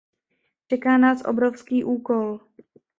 Čeká nás obrovský úkol.